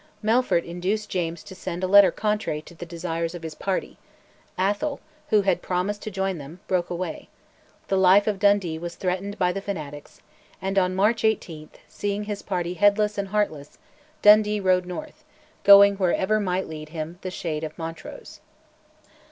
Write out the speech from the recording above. Melfort induced James to send a letter contrary to the desires of his party; Atholl, who had promised to join them, broke away; the life of Dundee was threatened by the fanatics, and on March 18, seeing his party headless and heartless, Dundee rode north, going "wherever might lead him the shade of Montrose."